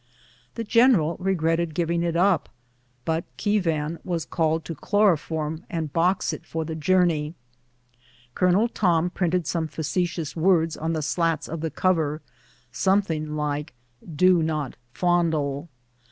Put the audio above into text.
The general regretted giving it up? but Keevan was called to chloroform and box it for the journey. Colonel Tom printed some facetious words on tlie slats of the cover — something like " Do not fon dle."